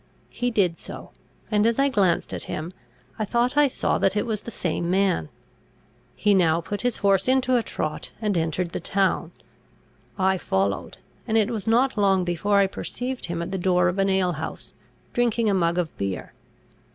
He did so; and, as I glanced at him, I thought I saw that it was the same man. He now put his horse into a trot, and entered the town. I followed; and it was not long before I perceived him at the door of an alehouse, drinking a mug of beer.